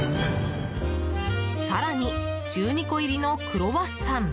更に１２個入りのクロワッサン。